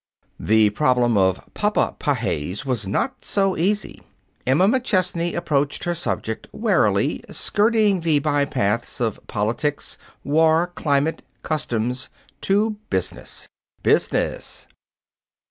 The problem of papa Pages was not so easy. Emma McChesney approached her subject warily, skirting the bypaths of politics, war, climate, customs to business. Business!